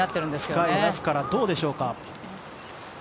深いラフからどうでしょうか。